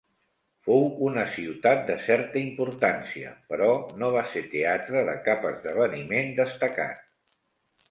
Fou una ciutat de certa importància, però no va ser teatre de cap esdeveniment destacat.